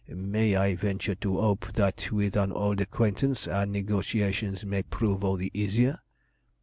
"May I venture to hope that with an old acquaintance our negotiations may prove all the easier?"